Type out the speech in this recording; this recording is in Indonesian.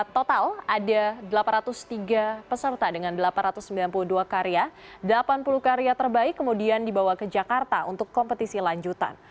total ada delapan ratus tiga peserta dengan delapan ratus sembilan puluh dua karya delapan puluh karya terbaik kemudian dibawa ke jakarta untuk kompetisi lanjutan